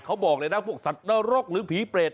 เขาบอกเลยนะพวกสัตว์นรกหรือผีเปรต